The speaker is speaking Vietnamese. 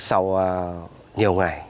sau nhiều ngày